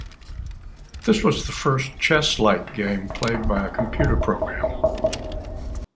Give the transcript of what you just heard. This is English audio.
This was the first chess-like game played by a computer program.